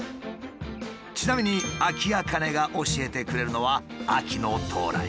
ちなみにアキアカネが教えてくれるのは秋の到来。